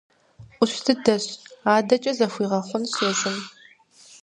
Ӏущ дыдэщ, адэкӀэ зэхуигъэхъунщ езым.